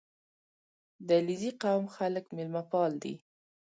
• د علیزي قوم خلک میلمهپال دي.